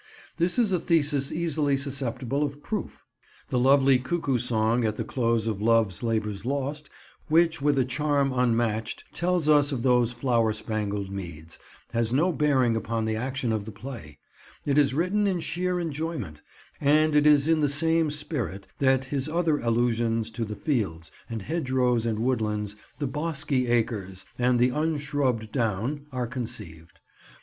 This is a thesis easily susceptible of proof. The lovely cuckoo song at the close of Love's Labour's Lost, which with a charm unmatched tells us of those flower spangled meads, has no bearing upon the action of the play: it is written in sheer enjoyment, and it is in the same spirit that his other allusions to the fields and hedgerows and woodlands, the "bosky acres" and the "unshrubbed down," are conceived.